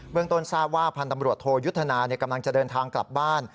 ต้นทราบว่าพันธ์ตำรวจโทยุทธนากำลังจะเดินทางกลับบ้าน